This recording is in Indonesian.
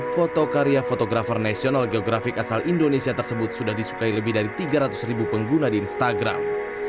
foto karya fotografer nasional geografik asal indonesia tersebut sudah disukai lebih dari tiga ratus ribu pengguna di instagram